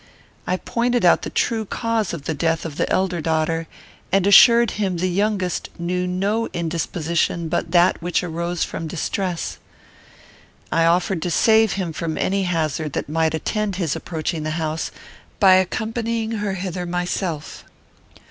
I pointed out the true cause of the death of the elder daughter, and assured him the youngest knew no indisposition but that which arose from distress. I offered to save him from any hazard that might attend his approaching the house, by accompanying her hither myself.